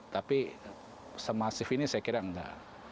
tapi semasif ini saya kira enggak